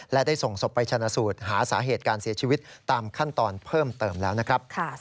และได้ส่งศพไปชนะสูตรหาสาเหตุการเสียชีวิตตามขั้นตอนเพิ่มเติมแล้วนะครับ